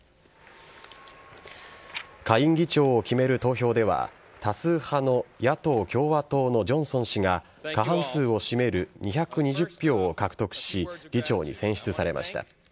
下院議長を決める投票では多数派の野党・共和党のジョンソン氏が過半数を占める２２０票を獲得し議長に選出されました。